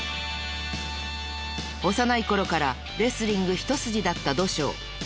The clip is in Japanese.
幼い頃からレスリング一筋だった土性。